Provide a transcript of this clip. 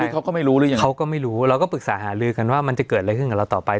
คือเขาก็ไม่รู้หรือยังเขาก็ไม่รู้เราก็ปรึกษาหาลือกันว่ามันจะเกิดอะไรขึ้นกับเราต่อไป